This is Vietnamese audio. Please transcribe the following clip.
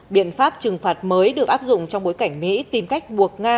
biện pháp trừng phạt mới được áp dụng trong bối cảnh mỹ tìm cách buộc nga